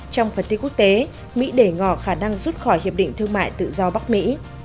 trong phần tiết quốc tế mỹ để ngỏ khả năng rút khỏi hiệp định thương mại tự do bắc mỹ